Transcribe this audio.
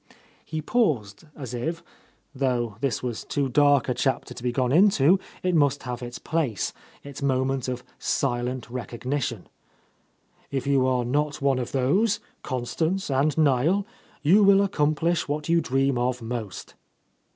He paused as if, though this was too dark — H— A Lost Lady a chapter to be gone into, it must have its place, its moment of silent recognition. "If you are not one of those, Constance and Niel, you will accomplish what you dream of most."